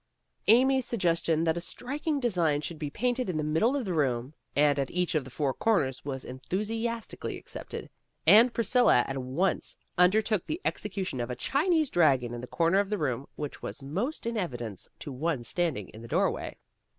Amy's suggestion that a striking design should be painted in the middle of the room, and at each of the four corners, was enthusias tically accepted, and Priscilla at once under took the execution of a Chinese dragon in the corner of the room which was most in evidence to one standing in the doorway.